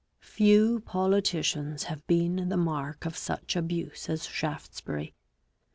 Few politicians have been the mark of such abuse as Shaftesbury.